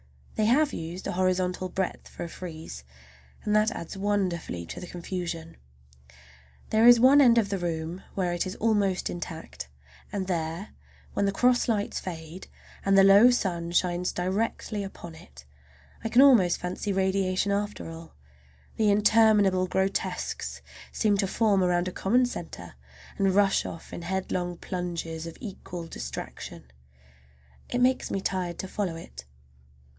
They have used a horizontal breadth for a frieze, and that adds wonderfully to the confusion. There is one end of the room where it is almost intact, and there, when the cross lights fade and the low sun shines directly upon it, I can almost fancy radiation after all,—the interminable grotesques seem to form around a common centre and rush off in headlong plunges of equal distraction. It makes me tired to follow it.